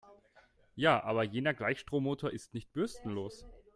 Ja, aber jener Gleichstrommotor ist nicht bürstenlos.